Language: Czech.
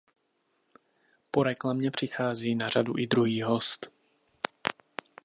Po reklamě přichází na řadu i druhý host.